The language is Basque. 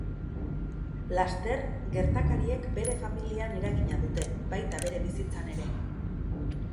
Laster, gertakariek bere familian eragina dute baita bere bizitzan ere.